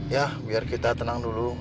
ya biar kita tenang dulu